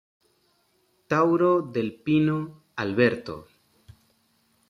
Tauro del Pino, Alberto.